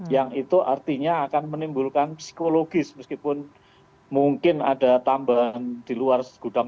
yang itu artinya akan menimbulkan psikologis meskipun mungkin ada tambahan di luar gudang